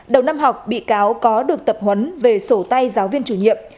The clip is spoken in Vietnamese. đầu năm học bị cáo có được tập huấn về sổ tay giáo viên chủ nhiệm